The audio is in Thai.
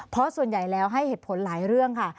เพราะส่วนใหญ่แล้วให้เหตุผลหลายเรื่องค่ะ